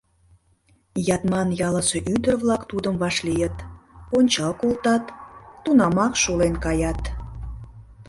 Ятман ялысе ӱдыр-влак тудым вашлийыт, ончал колтат — тунамак шулен каят.